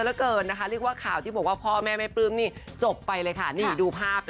เรียกว่าข่าวที่ผมพ่อแม่ไม่ปลื้มนี้จบไปเลยนี่ดูภาพ